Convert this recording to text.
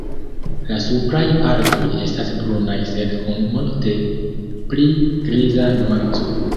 La supraj partoj estas brunaj sed kun multe pli griza nuanco.